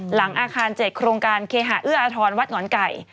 หลังอาคาร๗โครงการเคหาเอื้ออทรวัดหอนไก่